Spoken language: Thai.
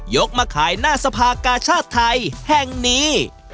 กมาขายหน้าสภากาชาติไทยแห่งนี้